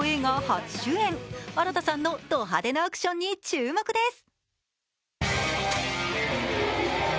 初主演新田さんのド派手なアクションに注目です。